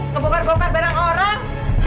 ngebongkar bongkar berang orang